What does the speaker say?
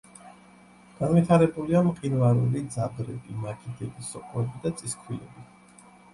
განვითარებულია მყინვარული ძაბრები, მაგიდები, სოკოები და წისქვილები.